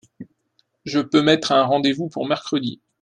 Je peux mettre un rendez-vous pour mercredi ?